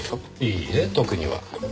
いいえ特には。